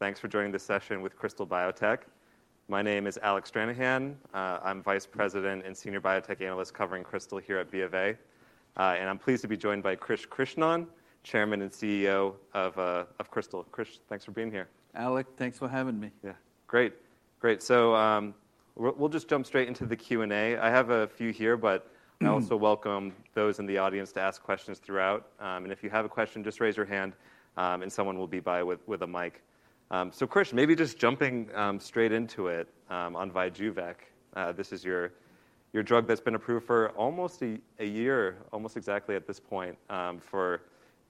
Thanks for joining this session with Krystal Biotech. My name is Alec Stranahan. I'm Vice President and Senior Biotech Analyst covering Krystal here at B of A, and I'm pleased to be joined by Krish Krishnan, Chairman and CEO of Krystal. Krish, thanks for being here. Alec, thanks for having me. Yeah. Great. Great. So, we'll just jump straight into the Q&A. I have a few here, but I also welcome those in the audience to ask questions throughout. And if you have a question, just raise your hand, and someone will be by with a mic. So Krish, maybe just jumping straight into it, on VYJUVEK. This is your drug that's been approved for almost a year, almost exactly at this point, for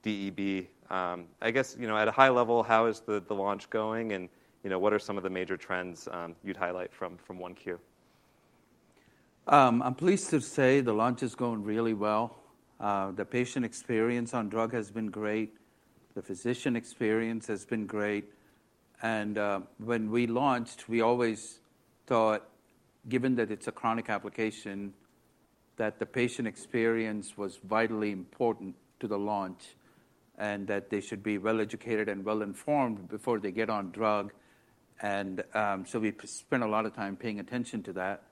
DEB. I guess, you know, at a high level, how is the launch going? And, you know, what are some of the major trends you'd highlight from 1Q? I'm pleased to say the launch is going really well. The patient experience on drug has been great. The physician experience has been great. And, when we launched, we always thought, given that it's a chronic application, that the patient experience was vitally important to the launch and that they should be well-educated and well-informed before they get on drug. And, so we spent a lot of time paying attention to that.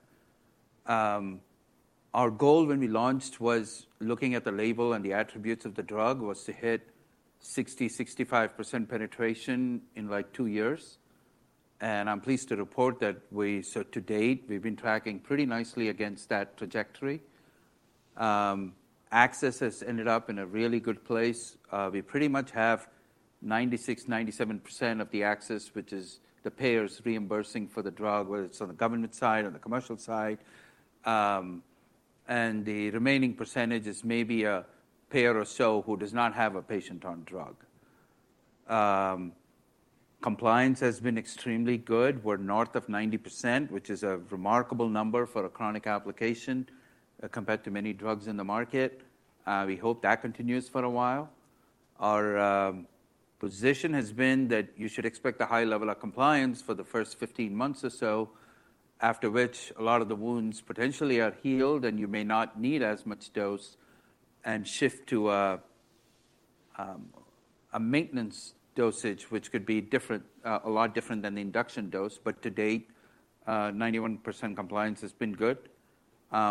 Our goal when we launched was looking at the label and the attributes of the drug was to hit 60% to 65% penetration in, like, two years. And I'm pleased to report that we so to date, we've been tracking pretty nicely against that trajectory. Access has ended up in a really good place. We pretty much have 96% to 97% of the access, which is the payers reimbursing for the drug, whether it's on the government side or the commercial side. The remaining percentage is maybe a payer or so who does not have a patient on drug. Compliance has been extremely good. We're north of 90%, which is a remarkable number for a chronic application, compared to many drugs in the market. We hope that continues for a while. Our position has been that you should expect a high level of compliance for the first 15 months or so, after which a lot of the wounds potentially are healed and you may not need as much dose and shift to a maintenance dosage, which could be different, a lot different than the induction dose. To date, 91% compliance has been good.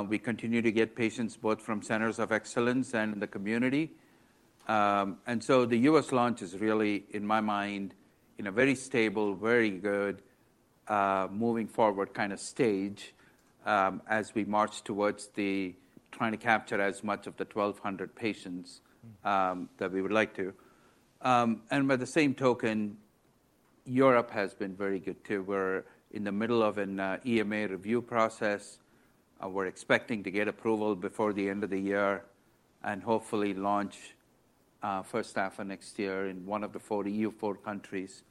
We continue to get patients both from Centers of Excellence and the community. So the U.S. launch is really, in my mind, in a very stable, very good, moving forward kind of stage, as we march towards trying to capture as much of the 1,200 patients that we would like to. By the same token, Europe has been very good too. We're in the middle of an EMA review process. We're expecting to get approval before the end of the year and hopefully launch first half of next year in one of the EU4 countries.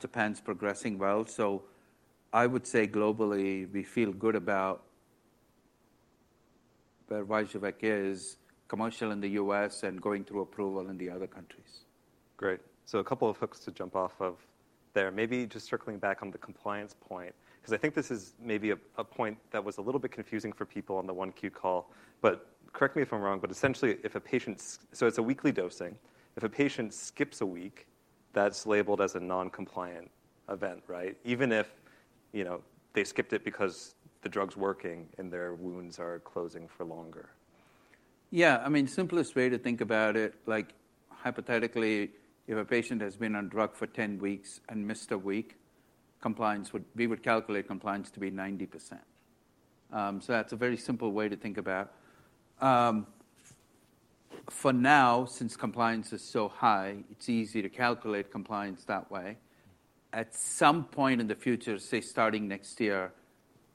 Japan's progressing well. So I would say globally, we feel good about where VYJUVEK is commercial in the U.S., and going through approval in the other countries. Great. So a couple of hooks to jump off of there. Maybe just circling back on the compliance point, because I think this is maybe a point that was a little bit confusing for people on the 1Q call. But correct me if I'm wrong, but essentially, if a patient, so it's a weekly dosing. If a patient skips a week, that's labeled as a non-compliant event, right? Even if, you know, they skipped it because the drug's working and their wounds are closing for longer. Yeah. I mean, simplest way to think about it, like, hypothetically, if a patient has been on drug for 10 weeks and missed a week, compliance, we would calculate compliance to be 90%. So that's a very simple way to think about. For now, since compliance is so high, it's easy to calculate compliance that way. At some point in the future, say starting next year,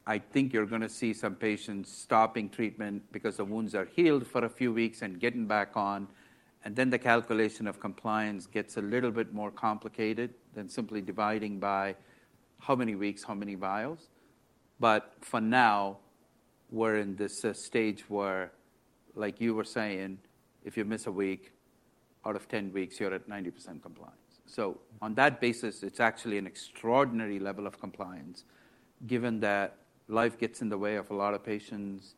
I think you're going to see some patients stopping treatment because the wounds are healed for a few weeks and getting back on. And then the calculation of compliance gets a little bit more complicated than simply dividing by how many weeks, how many vials. But for now, we're in this stage where, like you were saying, if you miss a week, out of 10 weeks, you're at 90% compliance. So on that basis, it's actually an extraordinary level of compliance, given that life gets in the way of a lot of patients,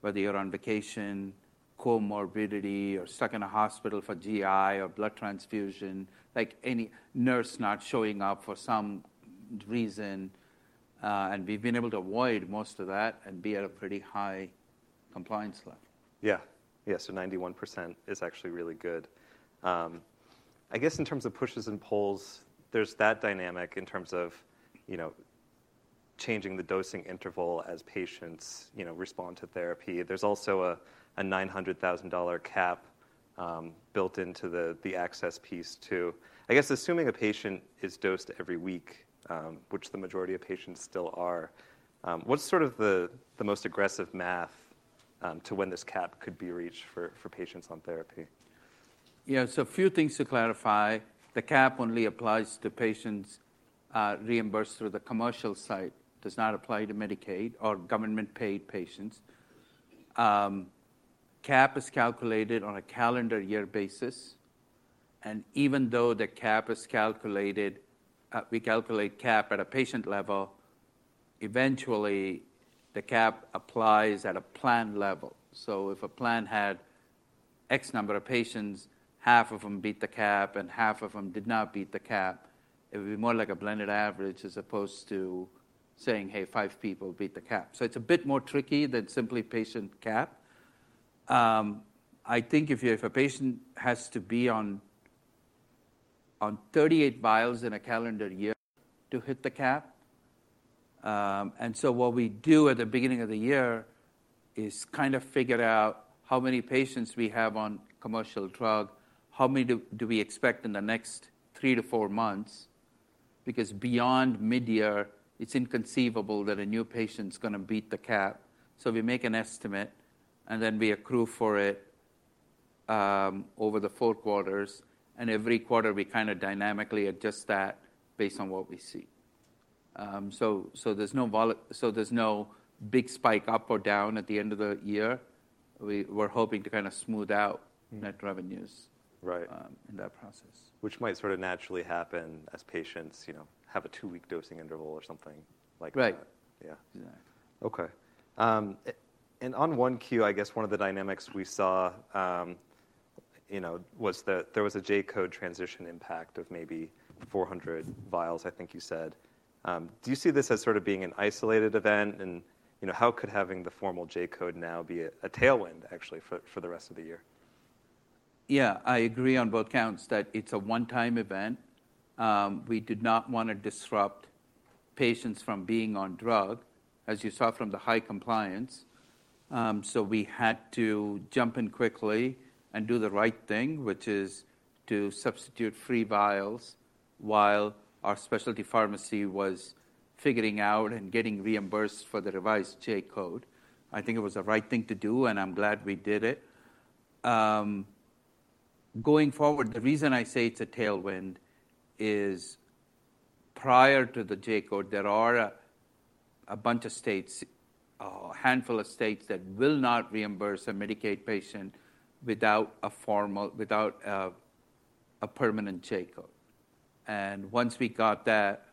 whether you're on vacation, comorbidity, or stuck in a hospital for GI or blood transfusion, like any nurse not showing up for some reason. And we've been able to avoid most of that and be at a pretty high compliance level. Yeah. Yeah. So 91% is actually really good. I guess in terms of pushes and pulls, there's that dynamic in terms of, you know, changing the dosing interval as patients, you know, respond to therapy. There's also a $900,000 cap built into the access piece too. I guess assuming a patient is dosed every week, which the majority of patients still are, what's sort of the most aggressive math to when this cap could be reached for patients on therapy? Yeah. So a few things to clarify. The cap only applies to patients reimbursed through the commercial side. Does not apply to Medicaid or government-paid patients. Cap is calculated on a calendar year basis. Even though the cap is calculated, we calculate cap at a patient level, eventually, the cap applies at a plan level. So if a plan had X number of patients, half of them beat the cap and half of them did not beat the cap, it would be more like a blended average as opposed to saying, hey, five people beat the cap. So it's a bit more tricky than simply patient cap. I think if a patient has to be on 38 vials in a calendar year to hit the cap, and so what we do at the beginning of the year is kind of figure out how many patients we have on commercial drug, how many do we expect in the next three to four months, because beyond mid-year, it's inconceivable that a new patient's going to beat the cap. So we make an estimate and then we accrue for it over the four quarters. Every quarter, we kind of dynamically adjust that based on what we see. So there's no vol, so there's no big spike up or down at the end of the year. We were hoping to kind of smooth out net revenues. Right in that process. Which might sort of naturally happen as patients, you know, have a 2-week dosing interval or something like that. Right. Exactly. Yeah. Okay. And on 1Q, I guess one of the dynamics we saw, you know, was that there was a J-code transition impact of maybe 400 vials, I think you said. Do you see this as sort of being an isolated event? And, you know, how could having the formal J-code now be a tailwind, actually, for the rest of the year? Yeah. I agree on both counts that it's a one-time event. We did not want to disrupt patients from being on drug, as you saw from the high compliance. So we had to jump in quickly and do the right thing, which is to substitute free vials while our specialty pharmacy was figuring out and getting reimbursed for the revised J-code. I think it was the right thing to do, and I'm glad we did it. Going forward, the reason I say it's a tailwind is prior to the J-code, there are a bunch of states, a handful of states that will not reimburse a Medicaid patient without a formal, without a permanent J-code. And once we got that,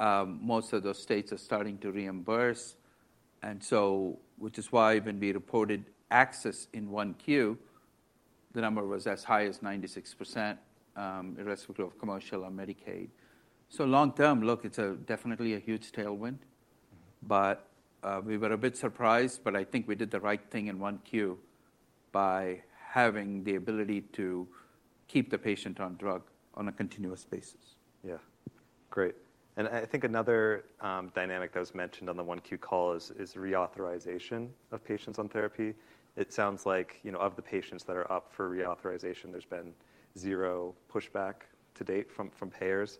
most of those states are starting to reimburse. And so, which is why, when we reported access in 1Q, the number was as high as 96%, irrespective of commercial or Medicaid. So, long term, look, it's definitely a huge tailwind. But we were a bit surprised, but I think we did the right thing in 1Q by having the ability to keep the patient on drug on a continuous basis. Yeah. Great. And I think another dynamic that was mentioned on the 1Q call is reauthorization of patients on therapy. It sounds like, you know, of the patients that are up for reauthorization, there's been zero pushback to date from payers.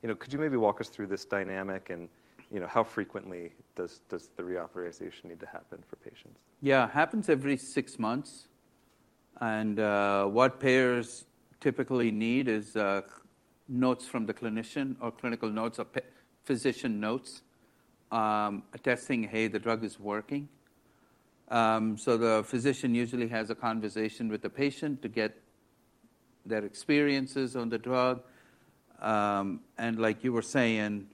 You know, could you maybe walk us through this dynamic and, you know, how frequently does the reauthorization need to happen for patients? Yeah. Happens every six months. What payers typically need is notes from the clinician or clinical notes or physician notes, attesting, hey, the drug is working. So the physician usually has a conversation with the patient to get their experiences on the drug. And like you were saying,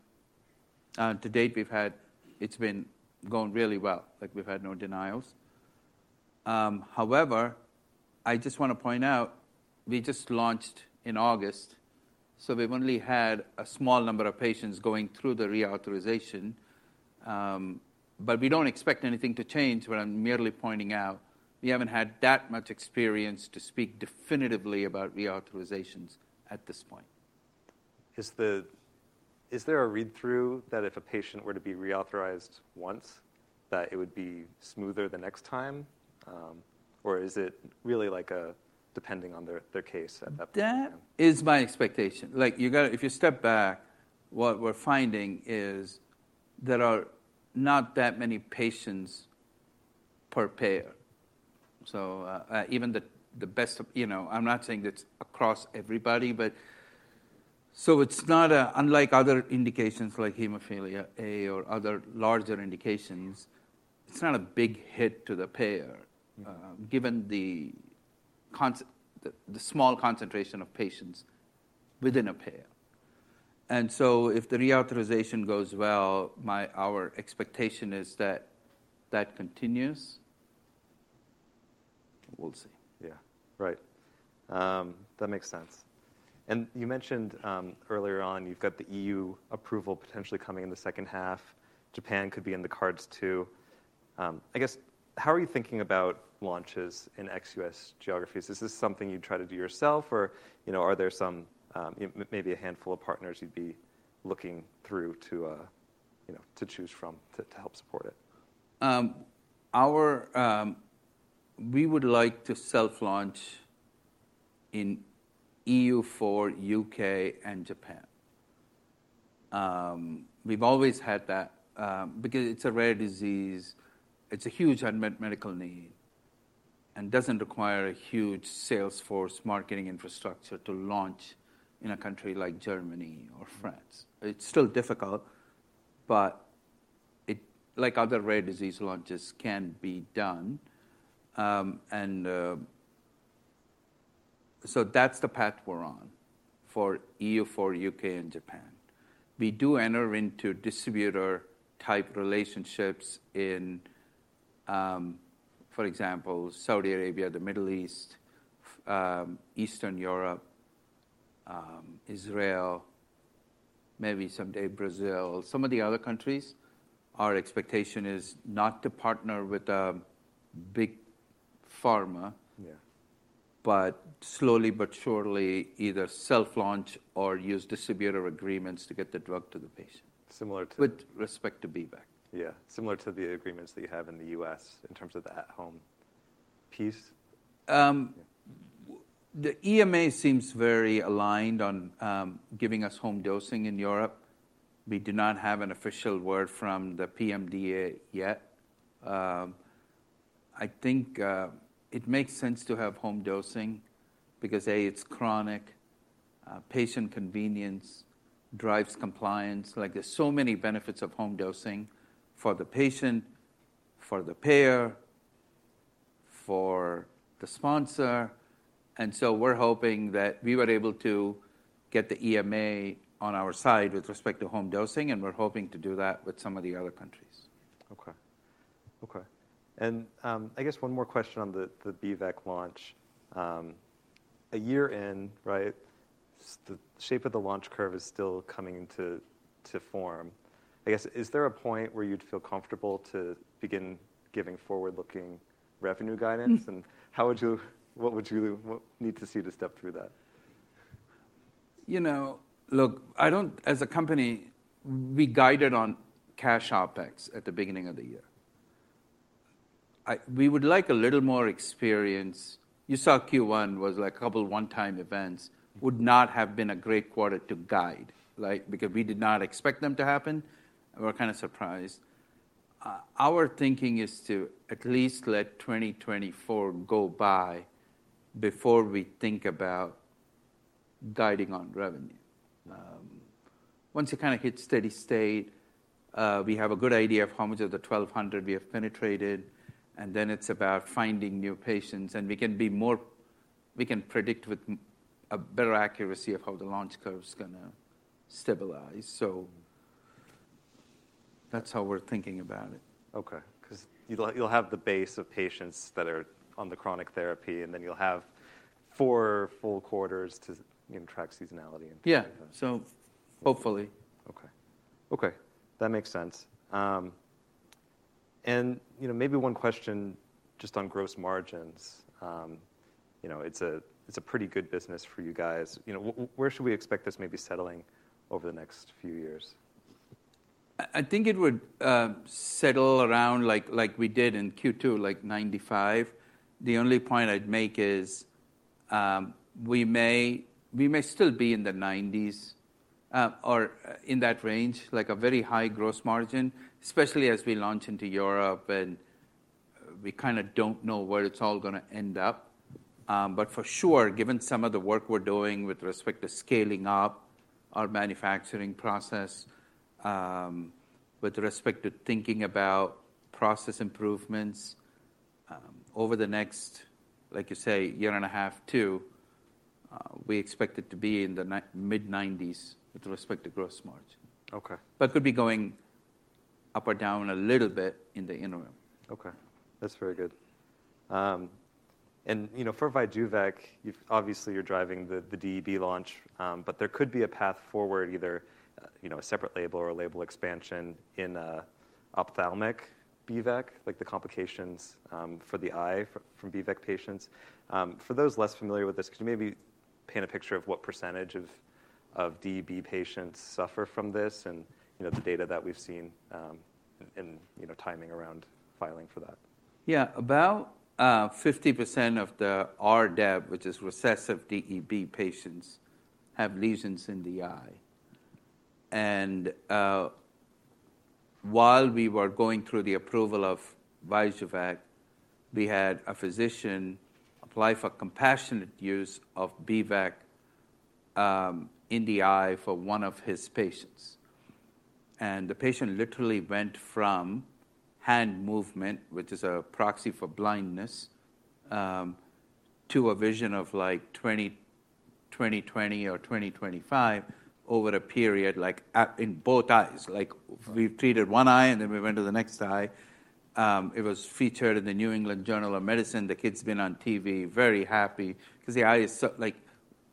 to date, we've had; it's been going really well. Like, we've had no denials. However, I just want to point out, we just launched in August, so we've only had a small number of patients going through the reauthorization. We don't expect anything to change. What I'm merely pointing out. We haven't had that much experience to speak definitively about reauthorizations at this point. Is there a read-through that if a patient were to be reauthorized once, that it would be smoother the next time? Or is it really like depending on their case at that point? That is my expectation. Like, you got to if you step back, what we're finding is there are not that many patients per payer. So, even the best of you know, I'm not saying it's across everybody, but so it's not unlike other indications like hemophilia A or other larger indications, it's not a big hit to the payer, given the small concentration of patients within a payer. And so if the reauthorization goes well, our expectation is that that continues. We'll see. Yeah. Right. That makes sense. You mentioned, earlier on, you've got the EU approval potentially coming in the second half. Japan could be in the cards too. I guess how are you thinking about launches in ex-US geographies? Is this something you'd try to do yourself, or, you know, are there some, maybe a handful of partners you'd be looking through to, you know, to help support it? Our, we would like to self-launch in EU4, U.K., and Japan. We've always had that, because it's a rare disease. It's a huge unmet medical need and doesn't require a huge salesforce, marketing infrastructure to launch in a country like Germany or France. It's still difficult, but it, like other rare disease launches, can be done. So that's the path we're on for EU4, U.K., and Japan. We do enter into distributor-type relationships in, for example, Saudi Arabia, the Middle East, Eastern Europe, Israel, maybe someday Brazil, some of the other countries. Our expectation is not to partner with a big pharma. Yeah. Slowly but surely, either self-launch or use distributor agreements to get the drug to the patient. Similar to. With respect to B-VEC. Yeah. Similar to the agreements that you have in the U.S. in terms of the at-home piece? The EMA seems very aligned on giving us home dosing in Europe. We do not have an official word from the PMDA yet. I think it makes sense to have home dosing because A, it's chronic, patient convenience drives compliance. Like, there's so many benefits of home dosing for the patient, for the payer, for the sponsor. And so we're hoping that we were able to get the EMA on our side with respect to home dosing, and we're hoping to do that with some of the other countries. Okay. Okay. I guess one more question on the VYJUVEK launch. A year in, right, the shape of the launch curve is still coming into form. I guess, is there a point where you'd feel comfortable to begin giving forward-looking revenue guidance? And how would you, what would you need to see to step through that? You know, look, I don't as a company. We guided on cash OpEx at the beginning of the year. I we would like a little more experience. You saw Q1 was like a couple one-time events. Would not have been a great quarter to guide, right, because we did not expect them to happen. We're kind of surprised. Our thinking is to at least let 2024 go by before we think about guiding on revenue. Once you kind of hit steady state, we have a good idea of how much of the 1,200 we have penetrated. And then it's about finding new patients. And we can be more we can predict with a better accuracy of how the launch curve's going to stabilize. So that's how we're thinking about it. Okay. Because you'll have the base of patients that are on the chronic therapy, and then you'll have 4 full quarters to, you know, track seasonality and things like that. Yeah. So hopefully. Okay. Okay. That makes sense. You know, maybe one question just on gross margins. You know, it's a it's a pretty good business for you guys. You know, where should we expect this maybe settling over the next few years? I think it would settle around like, like we did in Q2, like 95%. The only point I'd make is, we may still be in the 90s%, or in that range, like a very high gross margin, especially as we launch into Europe and we kind of don't know where it's all going to end up. But for sure, given some of the work we're doing with respect to scaling up our manufacturing process, with respect to thinking about process improvements, over the next, like you say, year and a half too, we expect it to be in the mid-90s% with respect to gross margin. Okay. But could be going up or down a little bit in the interim. Okay. That's very good. You know, for VYJUVEK, you've obviously, you're driving the, the DEB launch, but there could be a path forward either, you know, a separate label or a label expansion in, ophthalmic B-VEC, like the complications, for the eye from B-VEC patients. For those less familiar with this, could you maybe paint a picture of what percentage of, of DEB patients suffer from this and, you know, the data that we've seen, in, you know, timing around filing for that? Yeah. About 50% of the RDEB, which is recessive DEB patients, have lesions in the eye. And while we were going through the approval of VYJUVEK, we had a physician apply for compassionate use of B-VEC in the eye for one of his patients. And the patient literally went from hand movement, which is a proxy for blindness, to a vision of like 20/20 or 20/25 over a period, like in both eyes. Like, we treated one eye, and then we went to the next eye. It was featured in the New England Journal of Medicine. The kid's been on TV, very happy because the eye is like,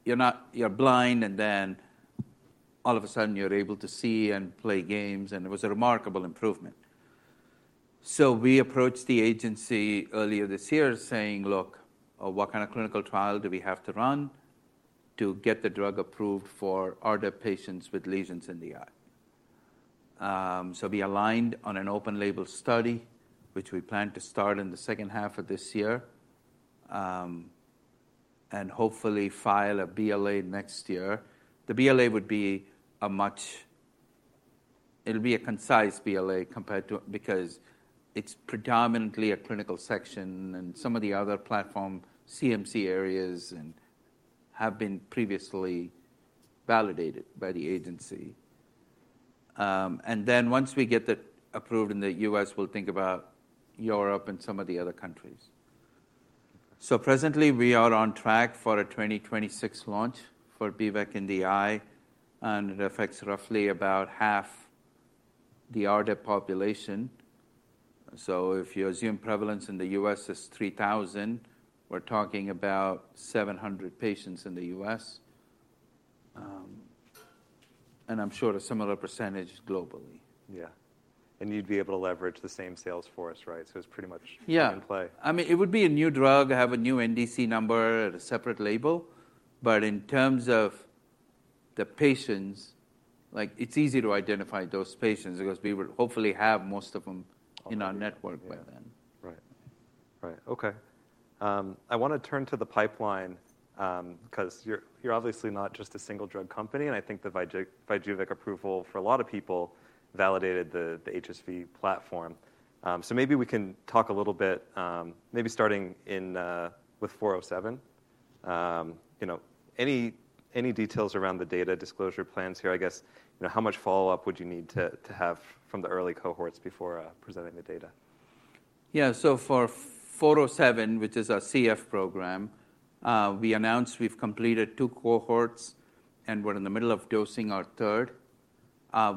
you're not, you're blind, and then all of a sudden, you're able to see and play games. And it was a remarkable improvement. So we approached the agency earlier this year saying, look, what kind of clinical trial do we have to run to get the drug approved for RDEB patients with lesions in the eye? So we aligned on an open-label study, which we plan to start in the second half of this year, and hopefully file a BLA next year. The BLA would be a much it'll be a concise BLA compared to because it's predominantly a clinical section, and some of the other platform CMC areas have been previously validated by the agency. And then once we get that approved in the U.S., we'll think about Europe and some of the other countries. So presently, we are on track for a 2026 launch for B-VEC in the eye, and it affects roughly about half the RDEB population. So if you assume prevalence in the U.S. is 3,000, we're talking about 700 patients in the U.S., and I'm sure a similar percentage globally. Yeah. And you'd be able to leverage the same salesforce, right? So it's pretty much in play. Yeah. I mean, it would be a new drug. I have a new NDC number at a separate label. But in terms of the patients, like, it's easy to identify those patients because we would hopefully have most of them in our network by then. Right. Right. Okay. I want to turn to the pipeline, because you're, you're obviously not just a single drug company. And I think the VYJUVEK approval for a lot of people validated the, the HSV platform. So maybe we can talk a little bit, maybe starting in, with 407. You know, any, any details around the data disclosure plans here, I guess, you know, how much follow-up would you need to, to have from the early cohorts before, presenting the data? Yeah. So for 407, which is our CF program, we announced we've completed two cohorts and we're in the middle of dosing our third.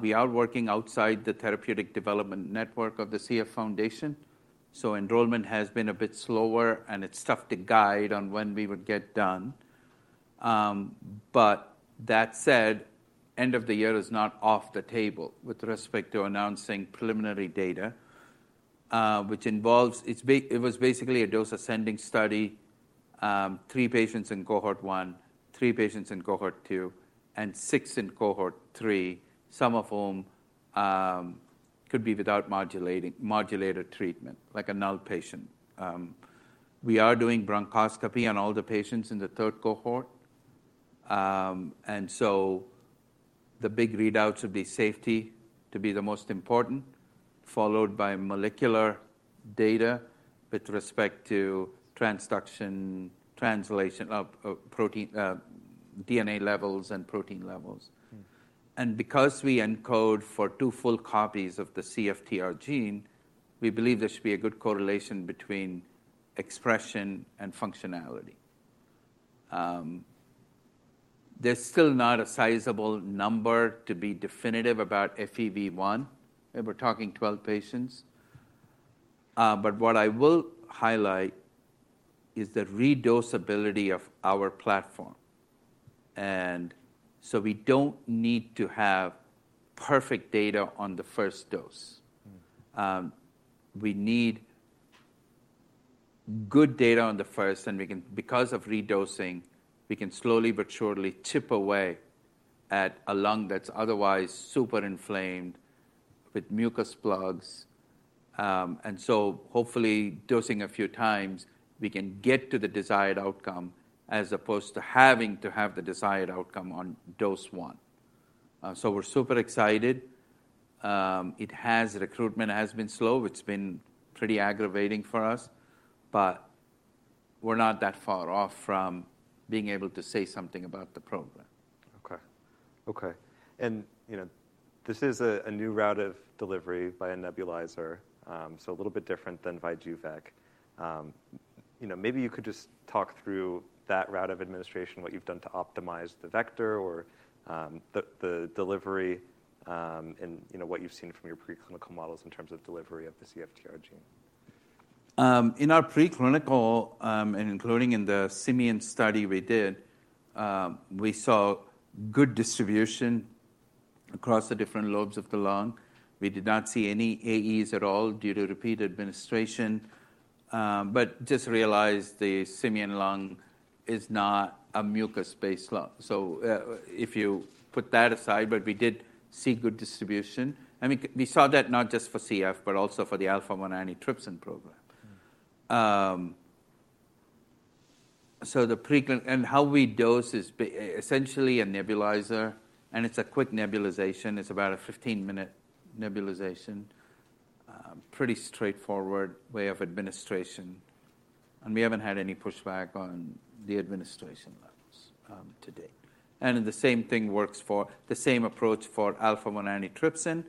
We are working outside the Therapeutic Development Network of the CF Foundation. So enrollment has been a bit slower, and it's tough to guide on when we would get done. But that said, end of the year is not off the table with respect to announcing preliminary data, which involves it's be it was basically a dose-ascending study, three patients in cohort one, three patients in cohort two, and six in cohort three, some of whom, could be without modulating modulator treatment, like a null patient. We are doing bronchoscopy on all the patients in the third cohort. And so the big readouts would be safety to be the most important, followed by molecular data with respect to transduction translation of protein, DNA levels and protein levels. And because we encode for two full copies of the CFTR gene, we believe there should be a good correlation between expression and functionality. There's still not a sizable number to be definitive about FEV1. We're talking 12 patients. But what I will highlight is the redosability of our platform. And so we don't need to have perfect data on the first dose. We need good data on the first, and we can because of redosing, we can slowly but surely chip away at a lung that's otherwise super inflamed with mucus plugs. And so hopefully, dosing a few times, we can get to the desired outcome as opposed to having to have the desired outcome on dose one. So we're super excited. Recruitment has been slow. It's been pretty aggravating for us. But we're not that far off from being able to say something about the program. Okay. Okay. And, you know, this is a new route of delivery by a nebulizer, so a little bit different than VYJUVEK. You know, maybe you could just talk through that route of administration, what you've done to optimize the vector or the delivery, and, you know, what you've seen from your preclinical models in terms of delivery of the CFTR gene. In our preclinical, and including in the simian study we did, we saw good distribution across the different lobes of the lung. We did not see any AEs at all due to repeat administration, but just realized the simian lung is not a mucus-based lung. So, if you put that aside, but we did see good distribution. I mean, we saw that not just for CF but also for the Alpha-1 antitrypsin program. So preclinical and how we dose is essentially a nebulizer, and it's a quick nebulization. It's about a 15-minute nebulization, pretty straightforward way of administration. And we haven't had any pushback on the administration levels, to date. And the same thing works for the same approach for Alpha-1 antitrypsin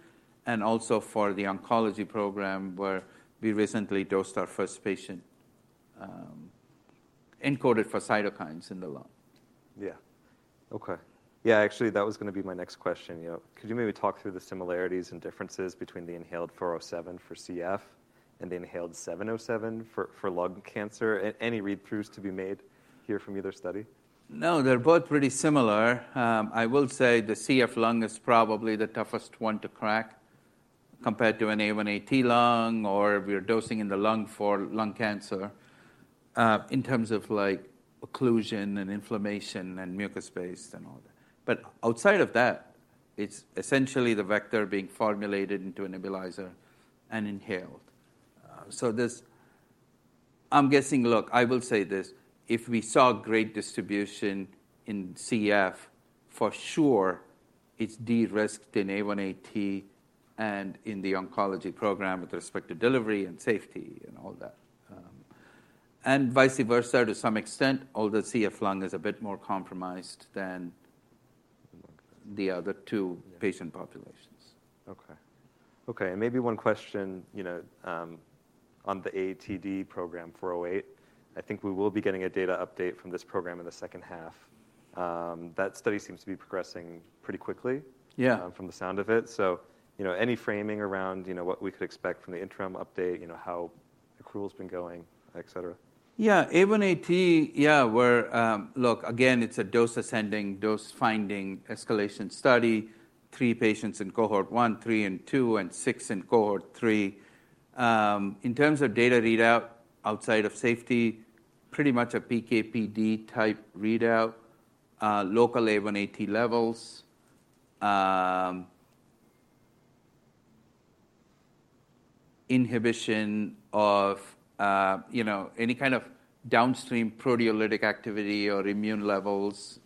and also for the oncology program where we recently dosed our first patient, encoded for cytokines in the lung. Yeah. Okay. Yeah, actually, that was going to be my next question. You know, could you maybe talk through the similarities and differences between the inhaled 407 for CF and the inhaled 707 for, for lung cancer? Any read-throughs to be made here from either study? No, they're both pretty similar. I will say the CF lung is probably the toughest one to crack compared to an A1AT lung or if we're dosing in the lung for lung cancer, in terms of, like, occlusion and inflammation and mucus-based and all that. But outside of that, it's essentially the vector being formulated into a nebulizer and inhaled. So there's, I'm guessing, look, I will say this. If we saw great distribution in CF, for sure, it's de-risked in A1AT and in the oncology program with respect to delivery and safety and all that. And vice versa to some extent, although CF lung is a bit more compromised than the other two patient populations. Okay. Okay. And maybe one question, you know, on the AATD program 408. I think we will be getting a data update from this program in the second half. That study seems to be progressing pretty quickly. Yeah. From the sound of it. So, you know, any framing around, you know, what we could expect from the interim update, you know, how accrual's been going, et cetera? Yeah. A1AT, yeah, we're, look, again, it's a dose-ascending, dose-finding escalation study, 3 patients in cohort 1, 3 in 2, and 6 in cohort 3. In terms of data readout outside of safety, pretty much a PKPD-type readout, local A1AT levels, inhibition of, you know, any kind of downstream proteolytic activity or immune levels,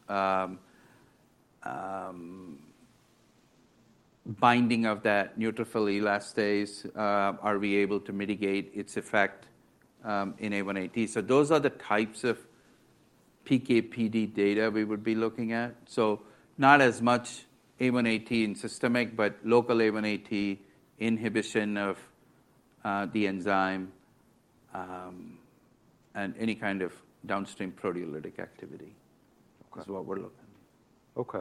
binding of that neutrophil elastase, are we able to mitigate its effect, in A1AT? So those are the types of PKPD data we would be looking at. So not as much A1AT in systemic, but local A1AT inhibition of, the enzyme, and any kind of downstream proteolytic activity is what we're looking at. Okay.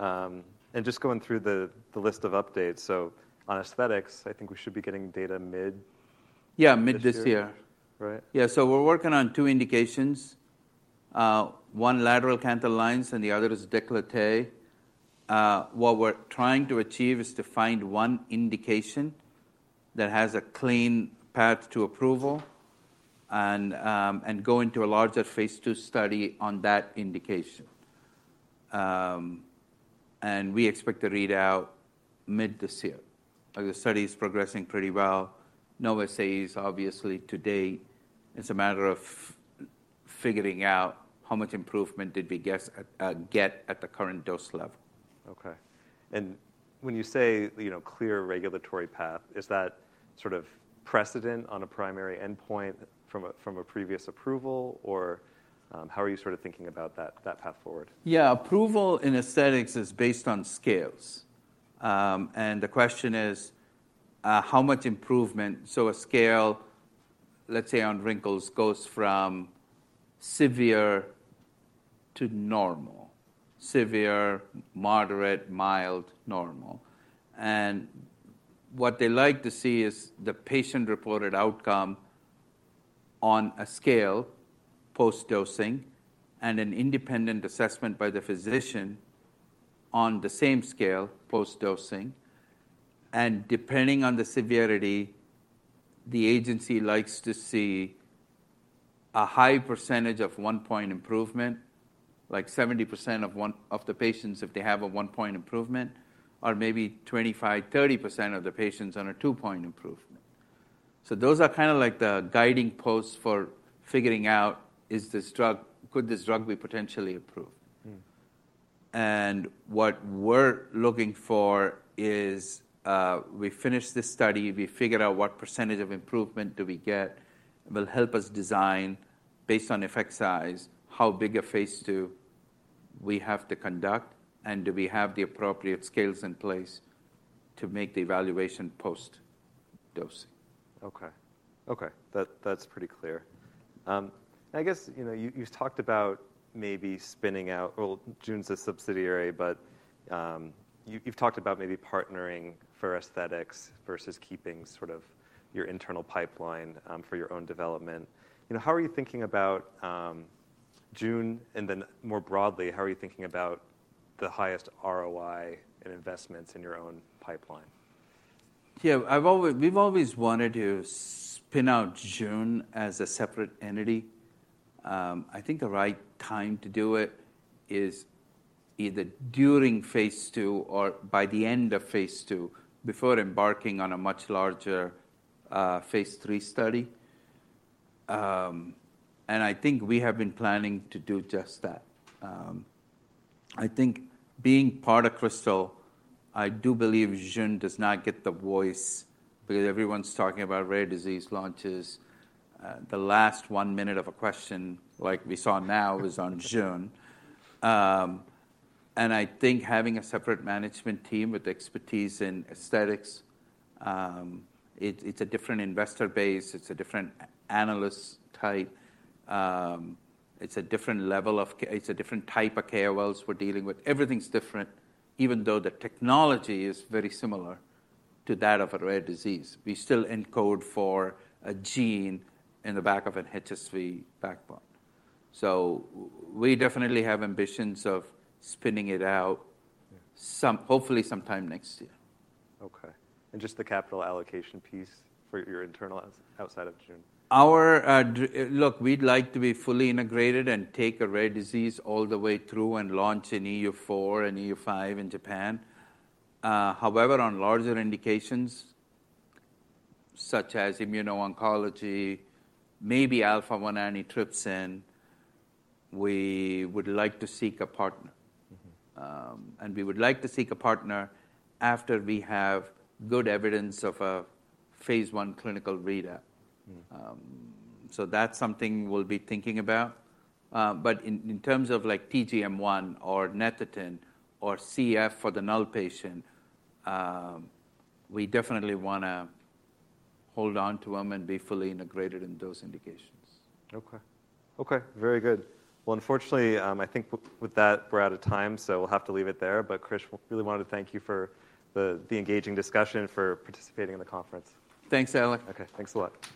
Okay. And just going through the, the list of updates. So on aesthetics, I think we should be getting data mid. Yeah, mid this year. Right? Yeah. So we're working on two indications. One, lateral canthal lines, and the other is décolleté. What we're trying to achieve is to find one indication that has a clean path to approval and go into a larger phase II study on that indication. We expect to read out mid this year. Like, the study is progressing pretty well. No SAEs, obviously, to date. It's a matter of figuring out how much improvement did we get at the current dose level. Okay. When you say, you know, clear regulatory path, is that sort of precedent on a primary endpoint from a previous approval, or, how are you sort of thinking about that path forward? Yeah. Approval in aesthetics is based on scales. And the question is, how much improvement, so a scale, let's say, on wrinkles goes from severe to normal, severe, moderate, mild, normal. And what they like to see is the patient-reported outcome on a scale post-dosing and an independent assessment by the physician on the same scale post-dosing. And depending on the severity, the agency likes to see a high percentage of 1-point improvement, like 70% of one of the patients, if they have a 1-point improvement, or maybe 25% to 30% of the patients on a 2-point improvement. So those are kind of like the guiding posts for figuring out, is this drug could this drug be potentially approved? What we're looking for is, we finish this study, we figure out what percentage of improvement do we get will help us design, based on effect size, how big a phase II we have to conduct, and do we have the appropriate scales in place to make the evaluation post-dosing. Okay. Okay. That's pretty clear. I guess, you know, you've talked about maybe spinning out. Well, Jeune's a subsidiary, but you've talked about maybe partnering for aesthetics versus keeping sort of your internal pipeline for your own development. You know, how are you thinking about Jeune and then more broadly, how are you thinking about the highest ROI and investments in your own pipeline? Yeah. We've always wanted to spin out Jeune as a separate entity. I think the right time to do it is either during phase II or by the end of phase II, before embarking on a much larger, phase III study. I think we have been planning to do just that. I think being part of Krystal, I do believe Jeune does not get the voice because everyone's talking about rare disease launches. The last one minute of a question, like we saw now, was on Jeune. I think having a separate management team with expertise in aesthetics, it's a different investor base. It's a different analyst type. It's a different type of KOLs we're dealing with. Everything's different, even though the technology is very similar to that of a rare disease. We still encode for a gene in the back of an HSV backbone. So we definitely have ambitions of spinning it out some hopefully sometime next year. Okay. And just the capital allocation piece for your internal outside of Jeune? Look, we'd like to be fully integrated and take a rare disease all the way through and launch an EU4 and EU5 in Japan. However, on larger indications such as immuno-oncology, maybe alpha-1 antitrypsin, we would like to seek a partner. And we would like to seek a partner after we have good evidence of a phase I clinical readout. So that's something we'll be thinking about. But in terms of, like, TGM1 or Netherton or CF for the null patient, we definitely want to hold on to them and be fully integrated in those indications. Okay. Okay. Very good. Well, unfortunately, I think with that, we're out of time, so we'll have to leave it there. But, Krish, really wanted to thank you for the engaging discussion, for participating in the conference. Thanks, Alec. Okay. Thanks a lot.